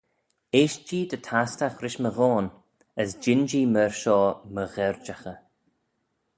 Eaisht-jee dy tastagh rish my ghoan, as jean-jee myr shoh m'y gherjaghey.